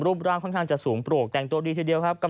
ร่างค่อนข้างจะสูงโปรกแต่งตัวดีทีเดียวครับ